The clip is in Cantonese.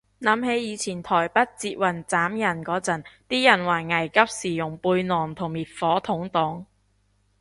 諗起以前台北捷運斬人嗰陣，啲人話危急時用背囊同滅火筒擋